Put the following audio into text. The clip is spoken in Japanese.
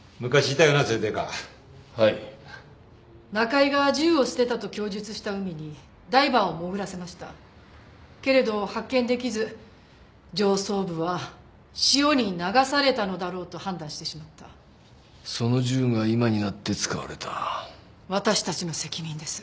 そういうデカはい中井が銃を捨てたと供述した海にダイバーを潜らせましたけれど発見できず上層部は潮に流されたのだろうと判断してしまったその銃が今になって使われた私たちの責任です